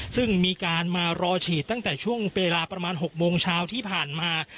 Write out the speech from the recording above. ซึ่งมีการมารอฉีดตั้งแต่ช่วงเวลาประมาณ๖โมงเช้าที่ผ่านมา